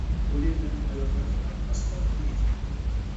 بۇنى مەن ئاياللارغىلا ئاستاغىنە ئېيتىپ بېرىمەن.